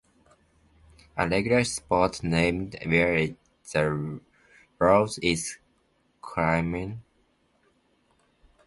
A regular spot named Where in the World is Carmine?